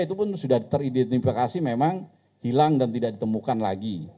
itu pun sudah teridentifikasi memang hilang dan tidak ditemukan lagi